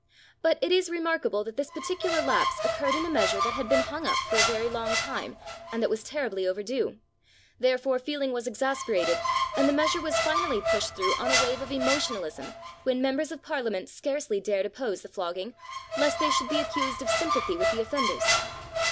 But it is remarkable that this particular lapse occurred in a measure that had been hung up for a very long time and that was terribly overdue; therefore feeling was exasperated and the measure was finally pushed through on a wave of emotionalism when Members of Parliament scarcely dared oppose the flogging, lest they should be accused of sympathy with the offenders.